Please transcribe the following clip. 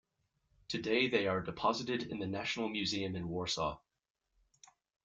Today they are deposited in the National Museum in Warsaw.